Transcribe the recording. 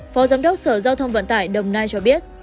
phó giám đốc sở giao thông vận tải đồng nai cho biết